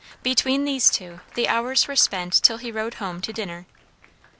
Between these two the hours were spent till he rode home to dinner.